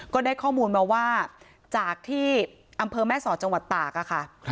ก็ได้ข้อมูลมาว่าจากที่อำเภอแม่สอดจังหวัดตากค่ะ